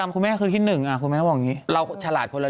เรื่องนี้สิคะ